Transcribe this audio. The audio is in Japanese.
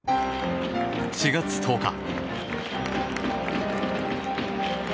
４月１０日。